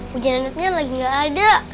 bu janetnya lagi gak ada